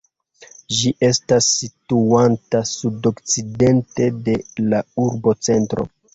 Ĝi estas situanta sudokcidente de la urbocentro.